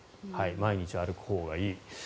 毎日歩くほうがいいと。